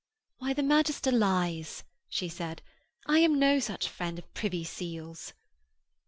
'Why, the magister lies,' she said. 'I am no such friend of Privy Seal's.'